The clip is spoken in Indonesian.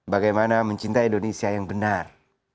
bagaimana mencintai indonesia yang benar